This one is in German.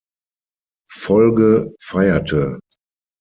Folge feierte.